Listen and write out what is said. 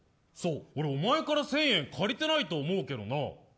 俺、おまえから１０００円借りてないと思うけど。